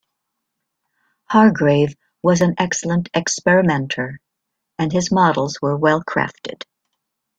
Hargrave was an excellent experimenter and his models were well crafted.